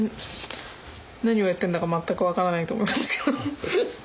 何をやってんだか全く分からないと思いますけど。